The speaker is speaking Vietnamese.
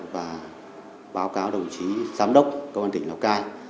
và báo cáo đồng chí giám đốc công an tỉnh lào cai